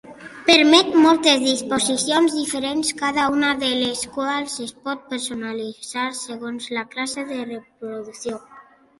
Permet moltes disposicions diferents, cada una de les quals es pot personalitzar segons la classe de producció.